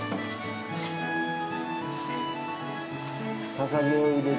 ささげを入れて。